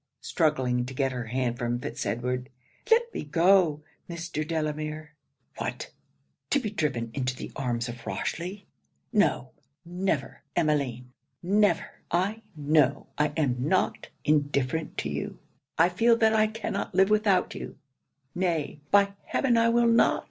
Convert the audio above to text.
(struggling to get her hand from Fitz Edward) 'Let me go! Mr. Delamere.' 'What! to be driven into the arms of Rochely? No, never, Emmeline! never! I know I am not indifferent to you. I feel that I cannot live without you; nay, by heaven I will not!